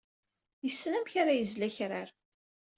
Yessen amek ara yezlu akrar.